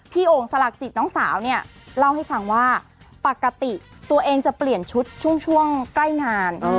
โอ่งสลักจิตน้องสาวเนี่ยเล่าให้ฟังว่าปกติตัวเองจะเปลี่ยนชุดช่วงใกล้งาน